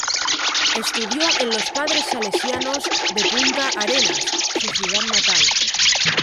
Estudió en los Padres Salesianos de Punta Arenas, su ciudad natal.